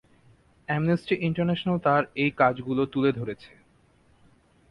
Amnesty International তার এই কাজগুলো তুলে ধরেছে।